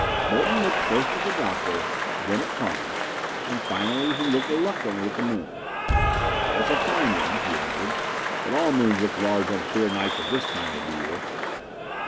Bolton looked first at the Doctor, then at Carnes, and finally he looked reluctantly at the moon. "It's a fine one," he admitted, "but all full moons look large on clear nights at this time of the year."